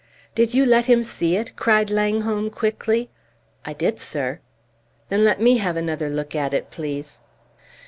"Did you let him see it?" cried Langholm, quickly. "I did, sir." "Then let me have another look at it, please!"